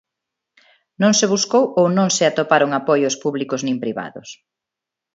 Non se buscou ou non se atoparon apoios públicos nin privados?